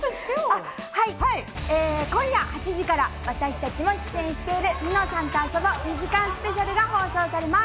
今夜８時から、私たちも出演している『ニノさんとあそぼ』２時間スペシャルが放送されます。